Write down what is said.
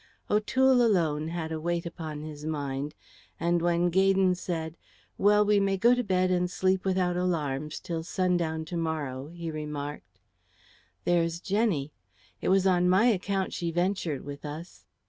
O'Toole alone had a weight upon his mind; and when Gaydon said, "Well, we may go to bed and sleep without alarms till sundown to morrow," he remarked, "There's Jenny. It was on my account she ventured with us."